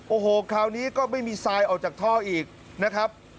โอ้โหคราวนี้ก็ไม่มีทรายออกจากท่ออีกนะครับ